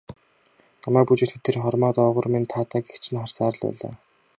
Намайг бүжиглэхэд тэр хормой доогуур минь таатай гэгч нь харсаар л байлаа.